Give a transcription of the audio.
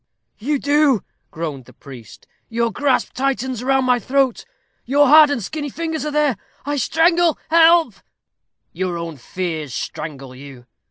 "You do," groaned the priest. "Your grasp tightens round my throat; your hard and skinny fingers are there I strangle help!" "Your own fears strangle you.